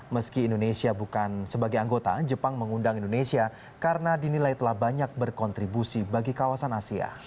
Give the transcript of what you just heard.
meski indonesia bukan sebagai anggota jepang mengundang indonesia karena dinilai telah banyak berkontribusi bagi kawasan asia